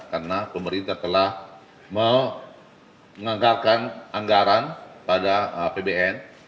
karena pemerintah telah menganggarkan anggaran pada pbn